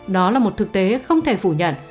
đó là một thực tế không thể phủ nhận